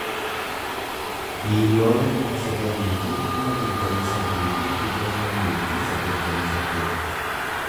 biiliyoona dhibba sagalii fi kuma digdamii sadii fi dhibba shanii fi saddeettamii saddeet